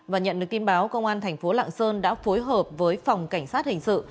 và nhận được tin báo công an thành phố lạng sơn đã phối hợp với phòng cảnh sát hình sự